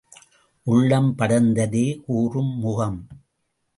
உள்ளம் படர்ந்ததே கூறும் முகம்.